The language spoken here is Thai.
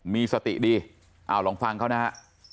มีสติดีเอาลองฟังเขานะฮะ